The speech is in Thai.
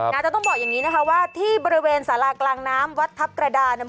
จะต้องบอกอย่างนี้นะคะว่าที่บริเวณสารากลางน้ำวัดทัพกระดานเนี่ย